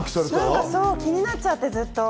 気になっちゃって、ずっと。